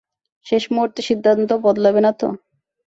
শেষ মুহূর্তে সিদ্ধান্ত বদলাবে না তো?